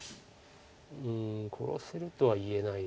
うん殺せるとは言えないよな。